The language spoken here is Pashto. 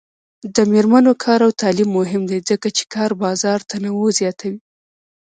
د میرمنو کار او تعلیم مهم دی ځکه چې کار بازار تنوع زیاتوي.